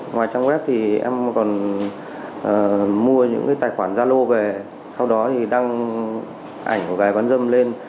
ngoài trang web em còn mua những tài khoản gia lô về sau đó đăng ảnh của gái bán dâm lên